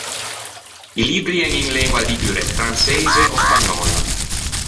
I libbri en in lengua ligure, franseise ò spagnòlla.